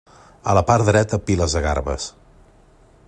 A la part dreta piles de garbes.